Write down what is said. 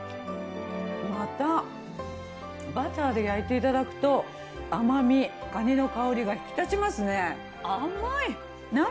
またバターで焼いていただくと甘みかにの香りが引き立ちますね。